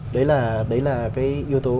đấy là cái yếu tố